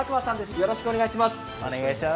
よろしくお願いします。